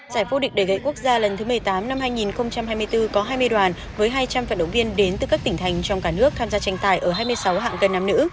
giải vô địch đề gậy quốc gia lần thứ một mươi tám năm hai nghìn hai mươi bốn có hai mươi đoàn với hai trăm linh vận động viên đến từ các tỉnh thành trong cả nước tham gia tranh tài ở hai mươi sáu hạng cân nam nữ